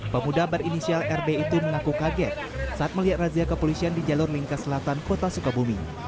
pemuda berinisial rb itu mengaku kaget saat melihat razia kepolisian di jalur lingka selatan kota sukabumi